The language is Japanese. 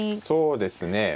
そうですね。